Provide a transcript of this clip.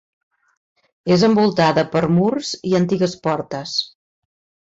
És envoltada per murs i antigues portes.